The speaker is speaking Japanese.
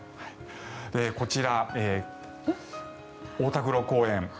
こちら、大田黒公園